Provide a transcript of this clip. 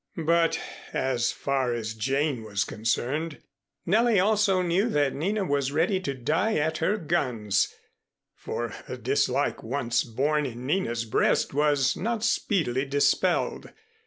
But as far as Jane was concerned, Nellie also knew that Nina was ready to die at her guns, for a dislike once born in Nina's breast was not speedily dispelled.